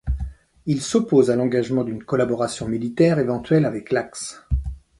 Il s'oppose à l'engagement d'une collaboration militaire éventuelle avec l'Axe.